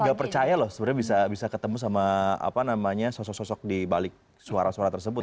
ini gak percaya loh sebenernya bisa ketemu sama sosok sosok di balik suara suara tersebut